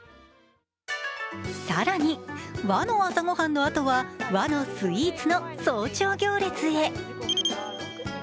更に、和の朝ごはんのあとは、和のスイーツの早朝行列へ。